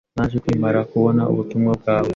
Naje nkimara kubona ubutumwa bwawe.